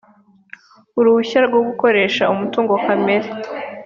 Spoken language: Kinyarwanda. uruhushya rwo gukoresha umutungo kamere